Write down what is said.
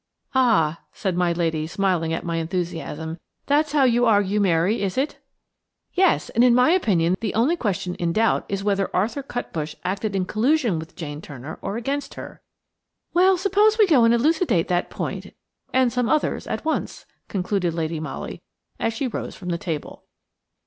"Ah!" said my lady, smiling at my enthusiasm, "that's how you argue, Mary, is it?" "Yes, and in my opinion the only question in doubt is whether Arthur Cutbush acted in collusion with Jane Turner or against her." "Well, suppose we go and elucidate that point–and some others–at once," concluded Lady Molly as she rose from the table.